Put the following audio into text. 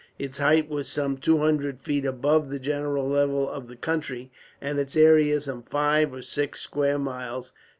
Its height was some two hundred feet above the general level of the country, and its area some five or six square miles.